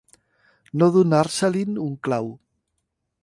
No donar-se-li'n un clau.